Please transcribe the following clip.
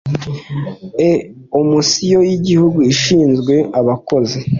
E omisiyo y igihugu ishinzwe abakozi ba